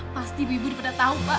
pasti ibu ibu udah pada tau pak